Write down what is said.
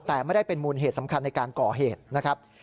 แต่ไม่ได้เป็นมูลเหตุสำคัญในการก่อเหตุนะครับ